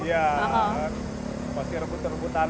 iya pasti rebut rebutan